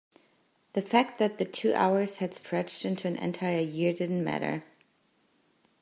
the fact that the two hours had stretched into an entire year didn't matter.